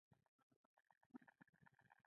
ځينې خلک فکر کوي چې٫ فکرونه ټول يو شان دي.